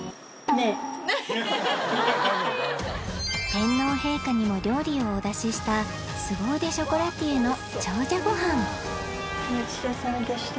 天皇陛下にも料理をお出ししたすご腕ショコラティエお待ちどおさまでした。